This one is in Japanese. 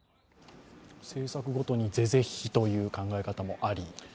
政策ごとに是々非々という考え方もあり。